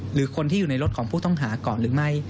หรือคนที่อยู่ในรถของผู้ต้องหาก่อนหรือไม่